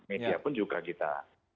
media pun juga kita